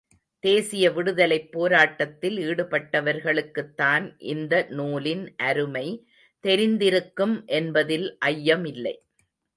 தேசிய விடுதலைப் போராட்டத்தில் ஈடுபட்டவர்களுக்குத்தான் இந்த நூலின் அருமை தெரிந்திருக்கும் என்பதில் ஐயமில்லை.